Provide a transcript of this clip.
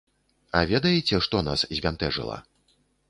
А ведаеце, што нас збянтэжыла?